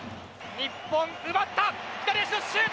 日本、奪った左足のシュート！